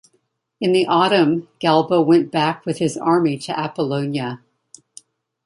In the autumn Galba went back with his army to Apollonia.